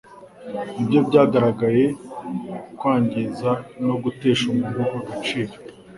ni byo byagaragayeho kwangiza no gutesha umuntu agaciro